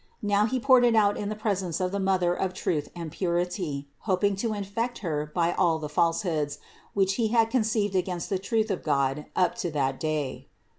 Now he poured it out in the presence of the Mother of truth and purity ; hoping to infect Her by all the falsehoods, which He had conceived against the truth of God up to that day.